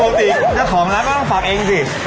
อ้าวไม่ปกติเจ้าของร้านก็ต้องฝากเองสิ